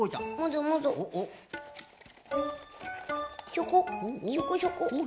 ひょこひょこひょこ。